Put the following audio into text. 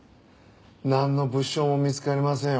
なんの物証も見つかりませんよ